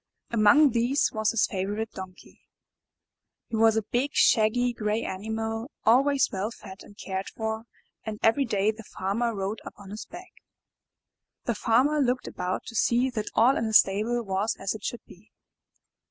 Among these was his favorite Donkey. He was a big, shaggy, gray animal, always well fed and cared for, and every day the Farmer rode upon his back. The Farmer looked about to see that all in the stable was as it should be.